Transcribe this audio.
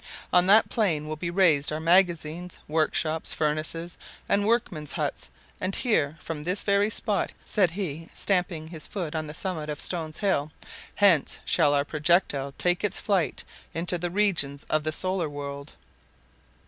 On that plain will be raised our magazines, workshops, furnaces, and workmen's huts; and here, from this very spot," said he, stamping his foot on the summit of Stones Hill, "hence shall our projectile take its flight into the regions of the Solar World."